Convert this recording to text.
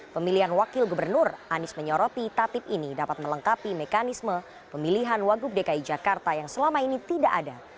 pemilihan wakil gubernur anies menyoroti tatip ini dapat melengkapi mekanisme pemilihan wagub dki jakarta yang selama ini tidak ada